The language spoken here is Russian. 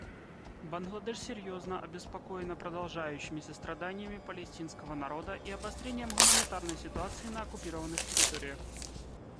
Бангладеш серьезно обеспокоена продолжающимися страданиями палестинского народа и обострением гуманитарной ситуации на оккупированных территориях.